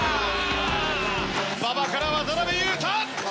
馬場から渡邊雄太！